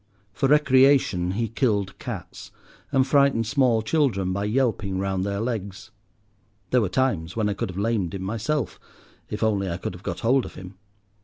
For recreation he killed cats and frightened small children by yelping round their legs. There were times when I could have lamed him myself, if only I could have got hold of him.